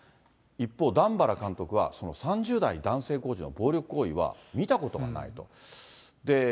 一方、段原監督はその３０代男性コーチの暴力行為は見たことがないと。